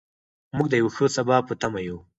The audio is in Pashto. موږ د یو ښه سبا په تمه یو.